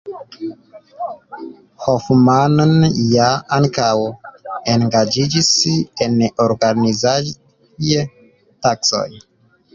Hofmann ja ankaŭ engaĝiĝis en organizaj taskoj.